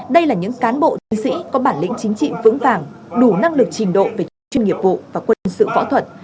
đây là những cán bộ chiến sĩ có bản lĩnh chính trị vững vàng đủ năng lực trình độ về chức chuyên nghiệp vụ và quân sự võ thuật